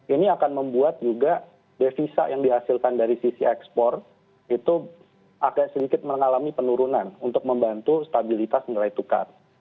ini akan membuat juga devisa yang dihasilkan dari sisi ekspor itu agak sedikit mengalami penurunan untuk membantu stabilitas nilai tukar